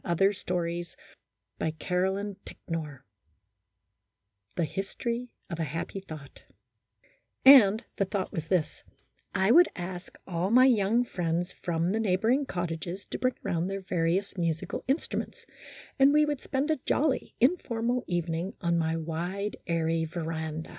THE HISTORY OF A HAPPY THOUGHT THE HISTORY OF A HAPPY THOUGHT AND the thought was this I would ask all my young friends from the neighboring cottages to bring around their various musical instruments, and we would spend a jolly, informal evening on my wide, airy veranda.